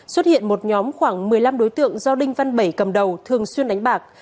xuất hiện một nhóm khoảng một mươi năm đối tượng do đinh văn bảy cầm đầu thường xuyên đánh bạc